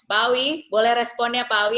pawi boleh responnya pawi